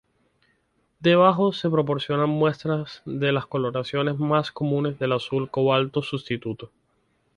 Debajo se proporcionan muestras de las coloraciones más comunes del azul cobalto sustituto.